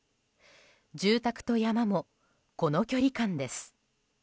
住宅と山も、この距離感です。